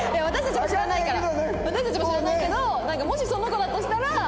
私たちも知らないけどなんかもしその子だとしたら。